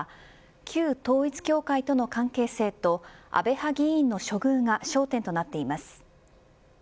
旧統一教会との関係性と安倍派議員の処遇が焦点となっています。